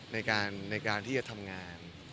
ในการที่จะทำงาน